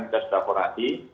kita sudah aporasi